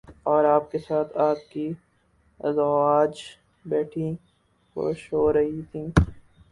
اور آپ کے ساتھ آپ کی ازواج بیٹھی خوش ہو رہی تھیں